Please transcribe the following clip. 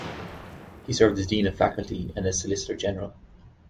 He served as Dean of Faculty and as Solicitor General.